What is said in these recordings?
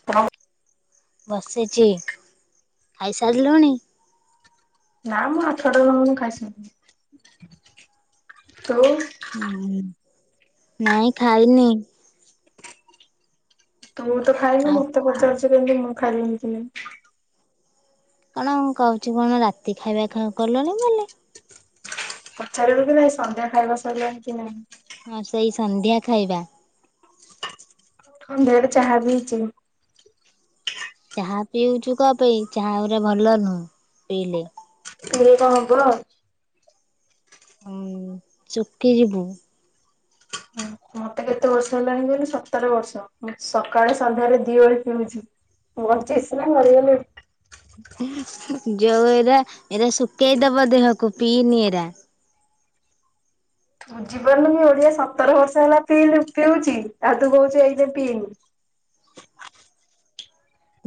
[unintelligible] ବସିଚି ଖାଇସାରିଲୁଣି? ନା ମୁଁ ଆଠଟାରୁ [unintelligible] ଖାଇ ସାଇଲିଣି ତୁ? ହୁ ନାଇଁ ଖାଇନି। ତୁ ତ ଖାଇନୁ ଆଉ ମୋତେ ପଚାରୁଛୁ କେମିତି ମୁଁ ଖାଇଲିଣି କି ନାଇଁ। କଣ କହୁଛି କଣ ରାତି ଖାଇବା ଖାଉ କଲୁଣି ବୋଲି। ପଚାରିବୁ କି ନାଇଁ ସନ୍ଧ୍ୟା ଖାଇବା ସରିଲାଣି କି ନାଇଁ? ହଁ ସେଇ ସନ୍ଧ୍ୟା ଖାଇବା। ସନ୍ଧ୍ୟାବେଳେ ଚାହା ପିଇଚି। ଚାହା ପିଉଚୁ କଣ ପାଇଁ ଚାହା ଗୁରା ଭଲ ନୁହଁ ପିଇଲେ। ପିଲେ କଣ ହବ? ଉଁ ଚୁକି ଯିବୁ। ଏତେ ବର୍ଷ ହେଲାଣି କହିଲୁ ସତର ବର୍ଷ ସକାଳେ ସନ୍ଧ୍ୟାରେ ଦି ଓଳି ପିଉଛି। ମୋର ଚେସି ନା ମରିଗଲେ ଯୋଉ ଏରା ଏରା ଶୁଖେଇଦବ ଦେହକୁ ପିଇନି ଏରା। ବୁଝିପାରୁନୁକି ଓଡିଆ ସତର ବର୍ଷ ହେଲା ପିଇଲୁ ପିଉଛି ଆଉ ତୁ କହୁଛୁ ଏଇ ନେ ପିଇନି।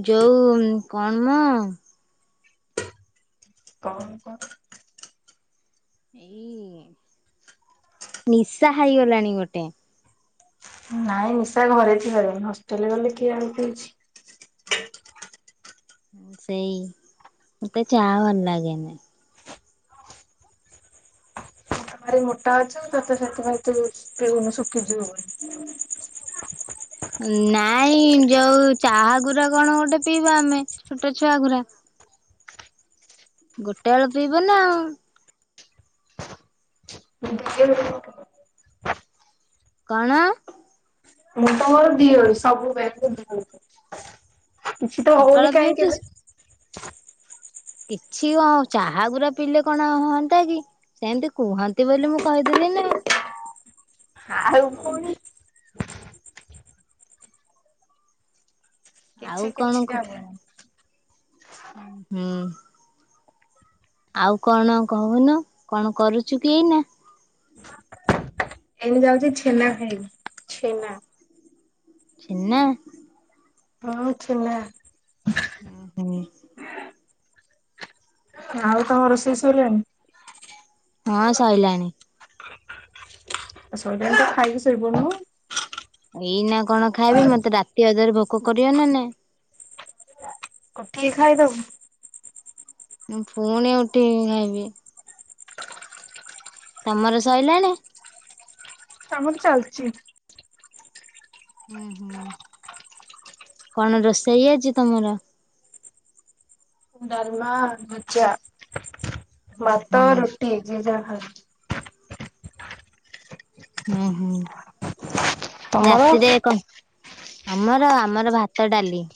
ଯୋଉ କଣ ମ କଣ କର୍ ଏଇ ନିଶା ହେଇଗଲାଣି ଗୋଟେ। ନାଇଁ ନିଶା ଘରେ [unintelligible] ହଷ୍ଟେଲରେ ଗଲେ କିଏ ଆଉ ପିଉଚି। ସେଇ ମତେ ଚା ଭଲ ଲାଗେନି। ଭାରି ମୋଟା ଅଛୁ ତତେ ସେଥିପାଇଁ ତୁ ପିଉନୁ ଶୁଖିଯିବୁ ବୋଲି। ନାଇଁ ଯୋଉ ଚାହା ଗୁରା କଣ ଗୋଟେ ପିଇବା ଆମେ ଛୋଟ ଛୁଆ ଗୁରା। ଗୋଟେ ବେଳ ପିଇବ ନା ଆଉ। [inaudible] କଣ? ମୁଁ ତ ମୋର ଦିଅଳି ସବୁବେଳେ ଦୁ କିଛି ତ ହଉନି ସକାଳେ କାହିଁ ପିଉଛୁ କେବେ? କିଛି କଣ ଚାହାଗୁରା ପିଇଲେ କଣ ହୁଅନ୍ତା କି ସେମତି କୁହନ୍ତି ବୋଲି ମୁଁ କହିଦେଲି ନା। ଆଉ ପୁଣି ଆଉ କିଛି କଣ କିଛି କ ହବନି। ହୁଁ। ଆଉ କଣ କହୁନ କଣ କରୁଚୁ କି ଏଇନା? ଏଇନି ଯାଉଚି ଛେନା ଖାଇବି ଛେନା। ଛେନା? ହଁ ଛେନା। ହୁଁ। ଆଉ ତମ ରୋଷେଇ ସଇଲାଣି? ହଁ ସଇଲାଣି। ଆ ସଇଲାଣି ତ ଖାଇକି ଶୋଇପଡୁନୁ। ଏଇ ନା କଣ ଖାଇବି, ମତେ ରାତି ଅଧରେ ଭୋକ କରିବ ନା ନାଇଁ। ଉଠିକି ଖାଇଦବୁ। ମୁଁ ପୁଣି ଉଠିବି ଖାଇବି? ତମର ସଇଲାଣି? ଆମର ଚାଲିଚି। ହୁଁ ହୁଁ କଣ ରୋଷେଇ ଆଜି ତମର? ଡାଲମା, ଭଜା, ଭାତ, ହୁଁ ରୁଟି ଯିଏ ଯାହା ଖାଇଵ। ହୁଁ ହୁଁ ତମର? ରାତିରେ କଣ? ଆମର ଆମର ଭାତ, ଡାଲି।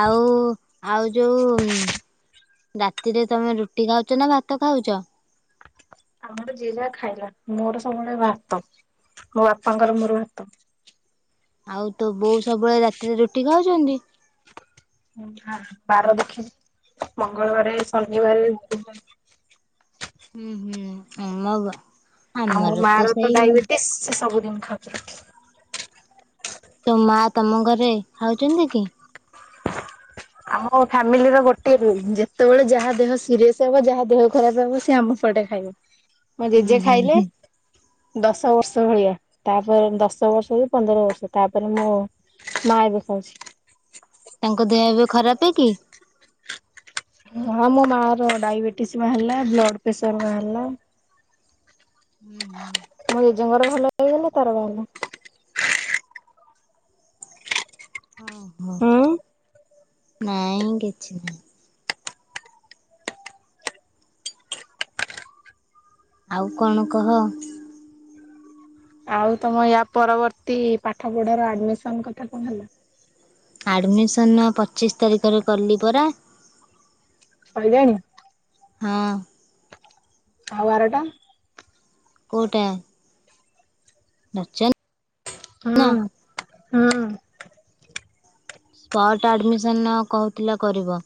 ଆଉ, ଆଉ ଯୋଉ ରାତିରେ ତମେ ରୁଟି ଖାଉଚ, ନା ଭାତ ଖାଉଚ? ଆମର ଯିଏ ଯାହା ଖାଇଲା, ମୋର ସବୁବେଳେ ଭାତ। ମୋ ବାପାଙ୍କର ମୋର ଭାତ। ଆଉ ତୋ ବୋଉ ସବୁବେଳେ ରାତିରେ ରୁଟି ଖାଉଚନ୍ତି? ନାଁ, ବାର ଦେଖି ମଙ୍ଗଳବାରେ, ଶନିବାରେ ହୁଁ ହୁଁ ଆ ମ ବା ଆଉ ମା ର ତ ଡାଇବେଟିସ ସେ ସବୁଦିନ ଖାଉଚି ରୁଟି। ତୋ ମା ତମ ଘରେ ଖାଉଚନ୍ତି କି? ଆମ ଫାମିଲିର ଗୋଟିଏ ରୁଲ୍ ଯେତେବେଳେ ଯାହା ଦେହ ସିରିଅସ ହବ ଯାହା ଦେହ ଖରାପ ହବ ସେି ଆମ ପଟେ ଖାଇବ। ମୋ ହୁଁ ଜେଜେ ହୁଁ ଖାଇଲେ? ହୁଁ ଦଶ ବର୍ଷ ଭଳିଆ ତା ପରେ ଦଶ ବର୍ଷ କି ପନ୍ଦର ବର୍ଷ ତା ପରେ ମୋ ମା ଏବେ ଖାଉଚି। ତାଙ୍କ ଦେହ ଏବେ ଖରାପେ କି? ହଁ ମୋ ମା ର ଡାଇବେଟିସ ବାହାରିଲା ବ୍ଲଡ୍ ପ୍ରେସର ବାହାରିଲା। ହୁଁ, ହୁଁ। ମୋ ଜେଜେଙ୍କର ଭଲ ହେଇଗଲା ତାର ବାହାରିଲା। ଓ ହୋ ହୁଁ। ନାଇଁ କିଛି ନାଇଁ। ଆଉ କଣ କହ? ଆଉ ତମ ୟା ପରବର୍ତ୍ତୀ ପାଠ ପଢାର ଆଡମିସନ୍ କଥା କଣ ହେଲା? ଆଡ଼ମିସନ୍ ପଚିଶି ତାରିଖରେ କଲି ପରା। ସଇଲାଣି। ହଁ। ଆଉ ଆରଟା। କୋଉଟା? ନଚ। ହ- ହୁଁ। ସ୍ପଟ୍ ଆଡମିସନ୍ ନ କହୁଥିଲା କରିବ।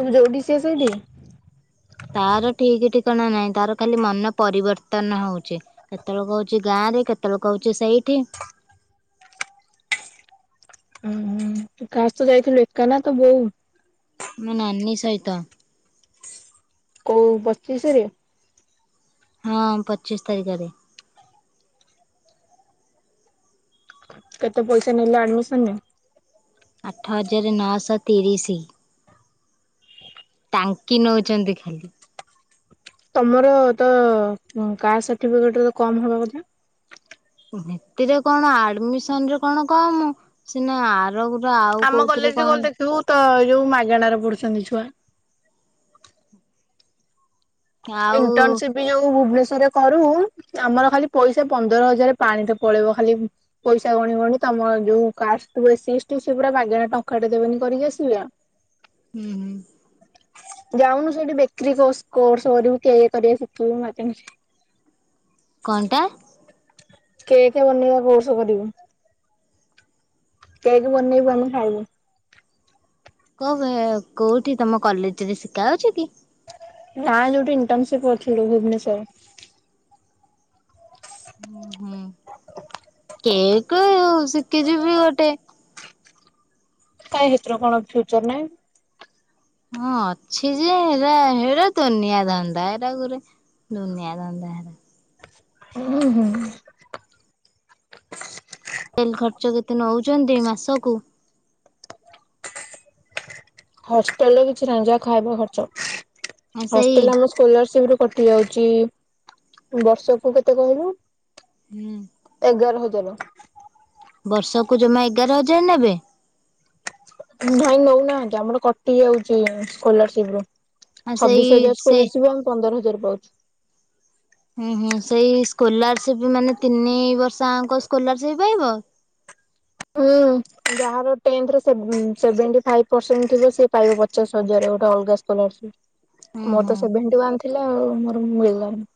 ତୁ ଯୋଉଠି, ସିଏ ସେଇଠି? ତାର ଠିକ୍ ଠିକଣା ନାହିଁ। ତାର ଖାଲି ମନ ପରିବର୍ତ୍ତନ ହଉଛି। କେତେବେଳେ କହୁଚି ଗାଁ ରେ କେତେବେଳେ କହୁଚି ସେଇଠି। ଉଁ ତୁ କାହା ସହିତ ଯାଇଥିଲୁ। ଏକା ନା ତୋ ବୋଉ? ମୋ ନାନୀ ସହିତ। କୋଉ ପଚିଶରେ? ହଁ, ପଚିଶି ତାରିଖରେ। କେତେ ପଇସା ନେଲେ ଆଡମିସନରେ? ଆଠ ହଜାର ନଅଶହ ତିରିଶି। ଟାଙ୍କି ନଉଛନ୍ତି। ତମର ତ କାଷ୍ଟ ସାର୍ଟିଫିକେଟ ରେ ତ କମ୍ ହବା କଥା। ସେଥିରେ କଣ ଆଡମିସନ୍ ରେ କଣ କମ୍ ସିନା ଆର। ଆମ କଲେଜ ଗଲେ ଦେଖିବୁ ତ ଏଇ ଯୋଉ ମାଗଣାରେ ପଡୁଛନ୍ତି ଛୁଆ। ଆଉ ଇଣ୍ଟର୍ନସିପ୍। ମି ଯୋଉ ଭୁବନେଶ୍ଵରରେ କରୁ ଆମର ଖାଲି ପଇସା ପନ୍ଦର ହଜାର ପାଣିରେ ପଳେଇବ ଖାଲି। ପଇସା ଗଣି ଗଣି ତମର ଯୋଉ କାଷ୍ଟ୍ ଏସିଏଷ୍ଟି ସେ ପୁରା ମାଗେଣା ଟଙ୍କାଟେ ଦେବେନି କରିକି ଆସିବେ। ହୁଁ ହୁଁ। ଯାଉନୁ ସେଇଠି ବେକ୍ରେରି କୋର୍ସ କରିବୁ କେକ୍ କରିବା ଶିଖିବୁ ମାଗଣାରେ। କଣ ଟା? କେକ୍ ବନେଇବା କୋର୍ସ କରିବୁ। କେକ୍ ବନେଇବୁ ଆମେ ଖାଇବୁ। [unintelligible] କୋଉଠି ତମ କଲେଜରେ ଶିଖା ହଉଛି କି? ନା ଯୋଉଠି ଇଣ୍ଟର୍ନସିପ୍ କରିଥିଲୁ ଭୁବନେଶ୍ଵରରେ। ହୁଁ ହ। କେକ୍ ଶିଖିଯିବି ଗୋଟେ। କାଇଁ ଏଥିରେ କଣ ଫ୍ୟୁଚର୍ ନାହିଁ। ହଁ ଅଛି ଯେ ହେରା ହେରା ଦୁନିଆ ଧନ୍ଦା ଏରା ଗୁରେ। ଦୁନିଆ ଧନ୍ଦା ହେରା। ହୁଁ ହୁଁ। ଡେଲି ଖର୍ଚ୍ଚ କେତେ ନଉଚନ୍ତି ମାସକୁ। ହଷ୍ଟେଲରେ କିଛି ନାଇଁ ଜା ଖାଇବା ଖର୍ଚ୍ଚ ଆ ସେଇ ହଷ୍ଟେଲରେ ଆମେ। ସ୍କୋଲାରସିପ୍ ରୁ କଟି ଯାଉଛି ବର୍ଷକୁ କେତେ କହିଲୁ। ହୁଁ। ଏଗାର ହଜାର। ବର୍ଷକୁ ଜମା ଏଗାର ହଜାର ନେବେ। ନାଇଁ ନଉନାହାନ୍ତି ଆମର କଟି ଯାଉଛି ସ୍କୋଲାରସିପରୁ। ଆଉ ସେଇ ଛବିଶ ହଜାର ସେ ସ୍କୋଲାରସିପ ଆମେ ପନ୍ଦର ହଜାର ପାଉଛୁ। ହୁଁ ହୁଁ ସେଇ ସ୍କୋଲାରସିପ୍ ମାନେ ତିନି ବର୍ଷ ଆଙ୍କ ସ୍କୋଲାରସିପ ପାଇବ? ହୁଁ ଯାହାର ଟେନ୍ଥ୍ ରେ ସେଭେ ସେଭେଣ୍ଟି ଫାଇପ୍ ପରସେଣ୍ଟ ଥିବ ସେ ପାଇବ ପଚାଶ ହଜାର ଗୋଟେ ଅଲଗା ହୁଁ ସ୍କୋଲାରସିପ୍ ମୋର ହୁଁ। ତ ସେଭେଣ୍ଟି ୱାନ ଥିଲା ଆଉ ମୋର ମିଳିଲାନି।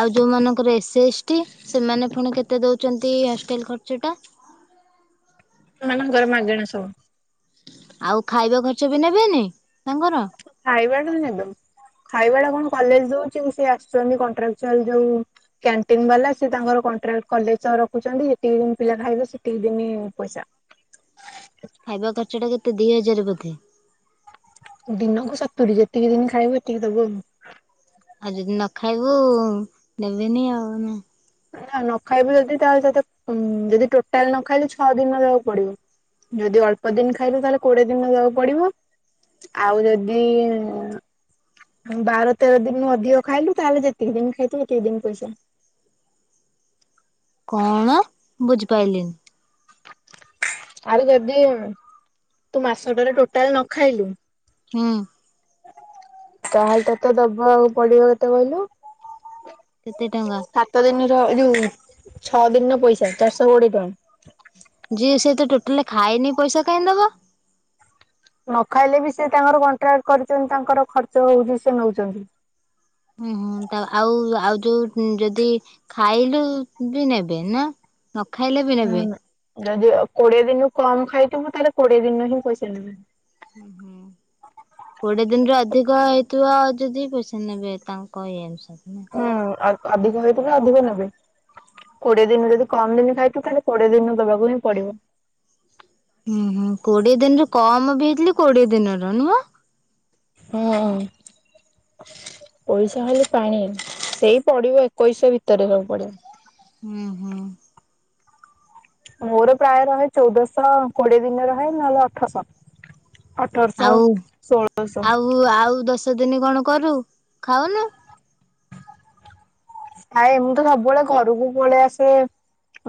ଆଉ ଯଉମାନଙ୍କର ଏସ୍ ଏସ୍ ଟି ସେମାନେ ପୁଣି କେତେ ଦଉଛନ୍ତି ହଷ୍ଟେଲ୍ ଖର୍ଚ୍ଚଟା? ସେମାନଙ୍କର ମାଗଣା ସବୁ। ଆଉ ଖାଇବା ଖର୍ଚ୍ଚ ବି ନେବେନି ତାଙ୍କର? ଖାଇବାଟା ନେବ ଖାଇବାଟା କଣ କଲେଜ ଦଉଚି ସେ ଆସୁଛନ୍ତି କଣ୍ଟ୍ରାଚୁଆଲ ଯଉ କ୍ୟାଣ୍ଟିନ ବାଲା ସେ ତାଙ୍କର କଣ୍ଟ୍ରାକ୍ଟ କଲେଜ ରଖୁଛନ୍ତି ଯେତିକି ଦିନ ପିଲା ଖାଇବେ ସେତିକି ଦିନି ପଇସା। ଖାଇବା ଖର୍ଚ୍ଚ ଟା କେତେ ଦି ହଜାର ବୋଧେ? ଦିନକୁ ସତୁୁରୀ ଯେତିକି ଦିନି ଖାଇବ ଏତିକି ଦବୁ ଆଉ। ଆଉ ଯଦି ନଖାଇବୁ ନେବେନି ଆଉ ନା? ନ ଖାଇବୁ ଯଦି ତାହେଲେ ତତେ ଉଁ ଯଦି ଟୋଟାଲ ନ ଖାଇଲୁ ଛଅ ଦିନ ରହିବାକୁ ପଡିବ। ଯଦି ଅଳ୍ପ ଦିନ ଖାଇଲୁ ତାହେଲେ କୋଡିଏ ଦିନ ଦବାକୁ ପଡିବ। ଆଉ ଯଦି ହଁ ବାର ତେର ଦିନି ଅଧିକ ଖାଇଲୁ ତାହେଲେ ଯେତିକି ଦିନ୍ ଖାଇଚୁ ଏତିକି ଦିନ୍ ପଇସା। କଣ ବୁଝିପାଇଲିନି? ଆଉ ଯଦି ତୁ ମାସଟାରେ ଟୋଟାଲ ନ ଖାଇଲୁ ହୁଁ। ତାହେଲେ ତତେ ଦବାକୁ ପଡିବ କେତେ କହିଲୁ? କେତେ ଟଙ୍କା? ତ ଦିନିର ଏଯୋଉ ଛଅ ଦିନିର ପଇସା ଚାରିଶହ କୋଡିଏ ଟଙ୍କା। ଯିଏ ସେ ତ ଟୋଟାଲି ଖାଇନି ପଇସା କାହିଁ ଦବ? ନ ଖାଇଲେ ବି ସେ ତାଙ୍କର କଣ୍ଟ୍ରାକ୍ଟ କରିଛନ୍ତି ତାଙ୍କର ଖର୍ଚ୍ଚ ହଉଛି ସେ ନଉଚନ୍ତି। ହୁଁ ହୁଁ ତା ଆଉ ଆଉ ଯୋଉ ଯଦି ଖାଇଲୁ ବି ନେବେ ନା? ନ ଖାଇଲେ ବି ନେବେ। ହୁଁ ଯଦି କୋଡିଏ ଦିନ ରୁ କମ ଖାଇଥିବଁ ତାହେଲେ କୋଡିଏ ଦିନ ହିଁ ପଇସା ନେବେ। ହୁଁ ହୁଁ। କୋଡିଏ ଦିନରେ ଅଧିକ ହେଇଥିବ ଆଉ ଯଦି ପେସେ ନେବେ ତାଙ୍କ ଏଇ ହୁଁ ଅଧିକ ହେଇଥିଲେ ନା ଅଧିକ ନେବେ। କୋଡିଏ ଦିନ ଯଦି କମ ଦିନ ଖାଇଥୁ ତାହେଲେ କୋଡିଏ ଦିନ ଦେବାକୁ ହିଁ ପଡିବ। ହୁଁ ହୁଁ କୋଡିଏ ଦିନରେ କମ ବି ହେଇଥିଲି କୋଡିଏ ଦିନର ନୁହଁ। ହୁଁ। ପଇସା ହେଲେ ପାଣି ସେଇ ପଡିବ ଏକୋଇଶହ ଭିତରେ ସବୁ ପଡିବ। ହୁଁ ହୁଁ। ମୋର ପ୍ରାୟ ରହେ ଚଉଦଶହ କୋଡିଏ ଦିନ ରହେ ନହେଲେ ଅଠରଶହ। ଅଠରଶହ ଷୋଳଶହ। ହୁ ଆଉ ଦଶ ଦିନ କଣ କରୁ ଖାଉନୁ? ଖାଏ ମୁଁ ତ ସବୁବେଳେ ଘରକୁ ପଳେଇ ଆସେ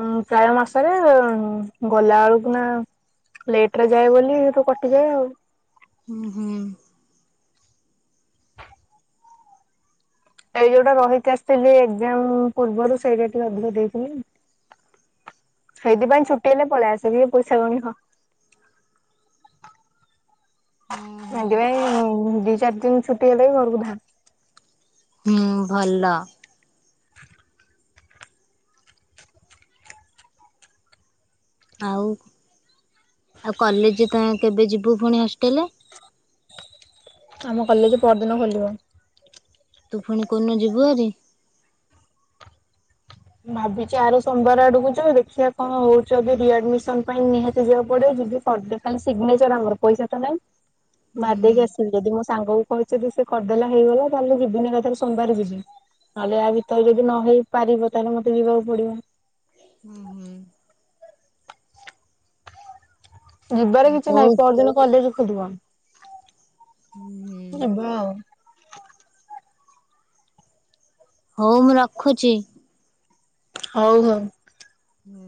ଉଁ ପ୍ରାୟ ମାସରେ ଗଲା ବେଳକୁ ନା ଲେଟ ରେ ଯାଏ ବୋଲି ତୁ କଟିଯାଏ ଆଉ। ହୁଁ ହୁଁ। ଏଇ ଯୋଉଟା ରହିକି ଆସିଥିଲି ଏଗଜାମ୍ ପୂର୍ବରୁ ସେଇଟା ଟିକେ ଅଧିକ ଦେଇଥିଲି। ସେଇଥିପାଇଁ ଛୁଟି ହେଲେ ପଳେଇ ଆସେ କିଏ ପଇସା କଣିବ। ହୁଁ। ହୁଁ ଭାଗିବା ପାଇଁ ଦି ଚାରି ଦିନ ଛୁଟି ହେଲେ ଘରକୁ ଧା। ହୁଁ ଭଲ। ହଁ। ଆଉ ଆଉ କଲେଜ ତ କେବେ ଯିବୁ ପୁଣି ହଷ୍ଟେଲ। ଆମ କଲେଜ ପରଦିନ ଖୋଲିବ। ତୁ ପୁଣି କୋଉଦିନ ଯିବୁ ହାରି? ଭାବିଛିି ଆର ସୋମବାର ଆଡକୁ ଯ ଦେଖିବା କଣ ହଉଛି ରିଆଡମିସନ ପାଇଁ ନିହାତି ଯିବାକୁ ପଡିବ ଯିବି। କର୍ଜ୍ ଖାଲି ସିଗ୍ନେଚର ଆମର ପଇସା ତ ନାଇଁ ମରି ହୁଁ ଦେଇକି ଆସିବି। ଯଦି ମୋ ସାଙ୍ଗ କୁ କହିଛି ଯଦି ସେ କରିଦେଲା ହେଇଗଲା ତାହେଲେ ଯିବିନି ଏକାଥରେ ସୋମବାର ଯିବି। ନହେଲେ ଆ ଭିତରେ ଯଦି ନ ହେଇ ପାରିବ ତାହେଲେ ମତେ ଯିବାକୁ ପଡିବ। ହୁଁ ହୁଁ। ଯିବାର ହୁଁ କିଛି ନାହିଁ ହଉ ପରଦିନ କଲେଜ ଖୋଲିବ ହୁଁ ଯିବା ଆଉ। ହଉ ମୁଁ ରଖୁଛି। ହଉ ହଉ। ହୁଁ।